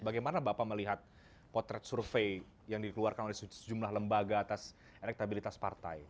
bagaimana bapak melihat potret survei yang dikeluarkan oleh sejumlah lembaga atas elektabilitas partai